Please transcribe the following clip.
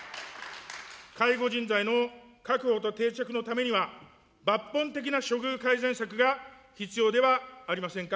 介護人材の確保と定着のためには、抜本的な処遇改善策が必要ではありませんか。